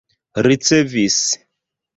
ricevis